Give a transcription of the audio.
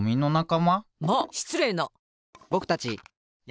まあしつれいな！